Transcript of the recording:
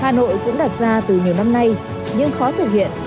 hà nội cũng đặt ra từ nhiều năm nay nhưng khó thực hiện